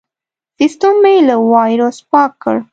سیستم مې له وایرس پاک کړ.